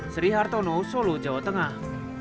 sri hartono solo jawa tengah